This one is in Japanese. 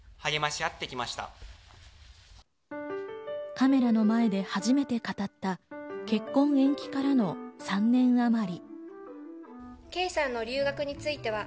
カメラの前で初めて語った結婚延期からの３年あまり。